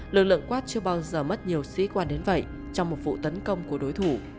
lực lượng quát chưa bao giờ mất nhiều sĩ quan đến vậy trong một vụ tấn công của đối thủ